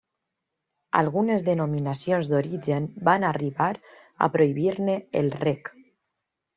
Algunes denominacions d'origen van arribar a prohibir-ne el rec.